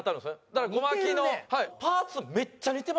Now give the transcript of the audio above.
だからゴマキのパーツめっちゃ似てませんか？